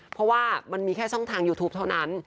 เพราะว่ามันมีแค่ช่องทางยูทูปเท่านั้น